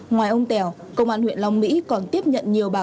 ngoài ông tèo công an huyện long mỹ còn tiếp nhận nhiều bà con